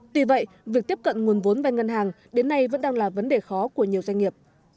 tuy vậy việc tiếp cận nguồn vốn vai ngân hàng đến nay vẫn đang là vấn đề khó của nhiều doanh nghiệp